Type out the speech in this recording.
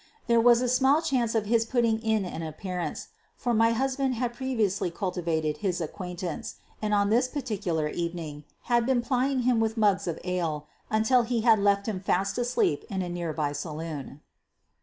There was small chance of his put ting in an appearance, for my husband had previ ously cultivated his acquaintance, and on this par ticular evening had been plying him with mugs of ale until he had left him fast asleep in a nearby saloon.